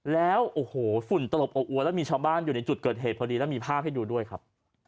แล้วโอ้โหฝุ่นตลบอบอวนแล้วมีชาวบ้านอยู่ในจุดเกิดเหตุพอดีแล้วมีภาพให้ดูด้วยครับ